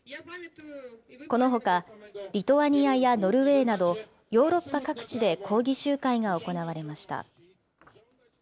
このほか、リトアニアやノルウェーなど、ヨーロッパ各地で抗議集会が行われました。